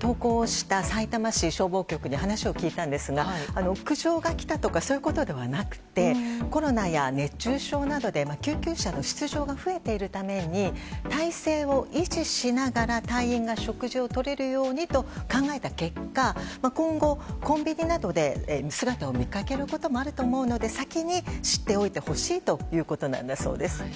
投稿したさいたま市消防局に話を聞いたんですが苦情が来たとかそういうことではなくてコロナや熱中症などで救急車の出動が増えているために体制を維持しながら隊員が食事をとれるようにと考えた結果今後、コンビニなどで姿を見かけることもあると思うので先に知っておいてほしいということです。